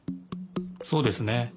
そうですね。